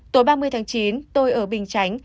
tối ba mươi tháng chín tôi ở bình chánh